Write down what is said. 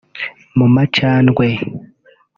mu macandwe